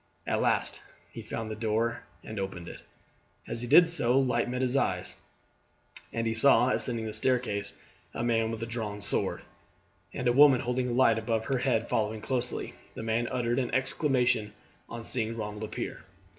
At last he found the door and opened it. As he did so a light met his eyes, and he saw ascending the staircase a man with a drawn sword, and a woman holding a light above her head following closely. The man uttered an exclamation on seeing Ronald appear.